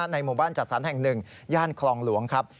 ในหมู่บ้านจัดสรรแห่งหนึ่งย่านคลองหลวงครับ